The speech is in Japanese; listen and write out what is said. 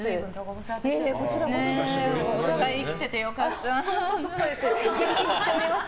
お会いできてよかった。